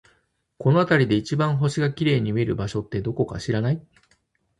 この辺りで一番星が綺麗に見える場所って、どこか知らない？